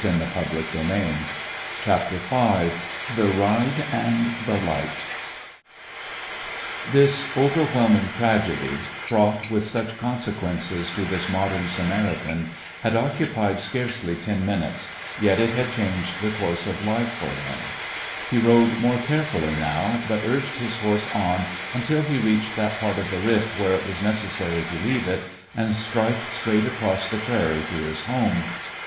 [W] The West Wan Young V THE RIDE AND THE LIGHT THIS overwhelming tragedy, fraught with such consequences to this modem Samaritan, had occu pied scarcely ten minutes, yet it had changed the course of life for him. He rode more carefully now, but urged his horse on until he reached that part of the rift where it was nec essary to leave it and strike straight across the prairie to his home.